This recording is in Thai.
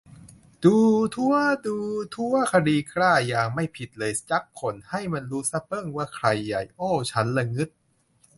ดูถั๊วะ ดูถั๊วะ คดีกล้ายาง ไม่ผิดเลยจั๊กคน ให้มันรู้ซะเบิ้งว่าใครใหญ่ โอ้วฉันล่ะงึด